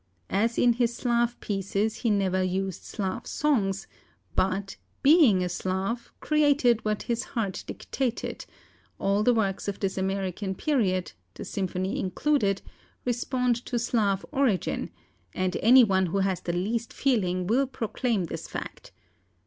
As in his Slav pieces he never used Slav songs, but, being a Slav, created what his heart dictated, all the works of this American period the symphony included respond to Slav origin, and any one who has the least feeling will proclaim this fact.